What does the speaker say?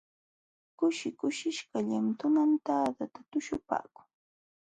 Kushi kushishqallam tunantadata tuśhupaakun.